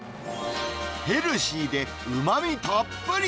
ヘルシーでうまみたっぷり！